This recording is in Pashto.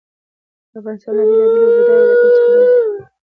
افغانستان له بېلابېلو او بډایه ولایتونو څخه ډک دی.